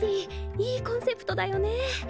いいコンセプトだよね。